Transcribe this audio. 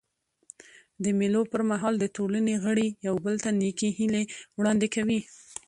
د مېلو پر مهال د ټولني غړي یو بل ته نېکي هیلي وړاندي کوي.